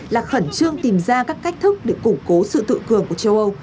là khẩn trương tìm ra các cách thức để củng cố sự tự cường của châu âu